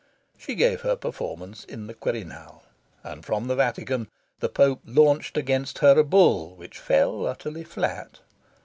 She gave her performance in the Quirinal, and, from the Vatican, the Pope launched against her a Bull which fell utterly flat.